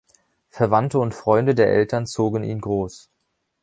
Verwandte und Freunde der Eltern zogen ihn groß.